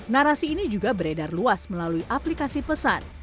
narasi ini juga beredar luas melalui aplikasi pesan